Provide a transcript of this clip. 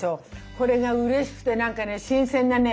これがうれしくてなんかね新鮮なね